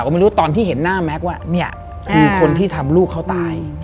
ก็ไม่รู้ตอนที่เห็นหน้าแม็กซ์ว่าเนี่ยคือคนที่ทำลูกเขาตาย